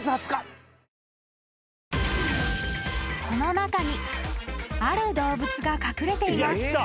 ［この中にある動物が隠れています］